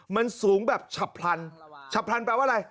มันสูงแบบฉับพลันฉับพลันแปลว่าอะไร